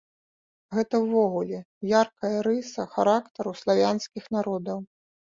Гэта ўвогуле яркая рыса характару славянскіх народаў.